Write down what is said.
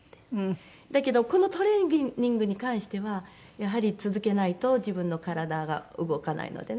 だけどこのトレーニングに関してはやはり続けないと自分の体が動かないのでね。